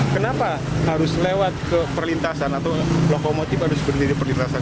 kenapa harus lewat ke perlintasan atau lokomotif harus berdiri di perlintasan